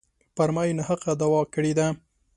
پر ما یې ناحقه دعوه کړې ده.